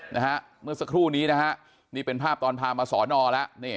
เมื่อสักครู่นี้นะฮะนี่เป็นภาพตอนพามาสอนอแล้ว